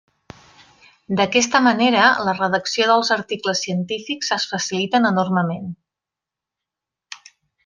D'aquesta manera, la redacció dels articles científics es faciliten enormement.